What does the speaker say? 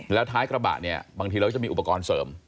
แล้วท้ายกระบะเนี่ยบางทีเราก็จะมีอุปกรณ์เสริม